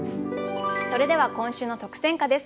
それでは今週の特選歌です。